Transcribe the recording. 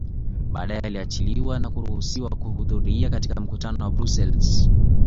Badae aliachiliwa na kuruhusiwa kuhudhuria katika mkutano wa Brussels